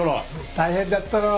大変だったろう。